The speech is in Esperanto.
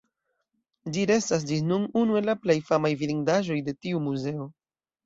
Ĝi restas ĝis nun unu el la plej famaj vidindaĵoj de tiu muzeo.